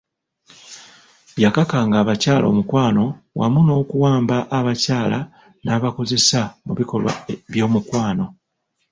Yakakanga abakyala omukwano wamu n'okuwamba abakyala n'abakozesa mu bikolwa by'omukwano .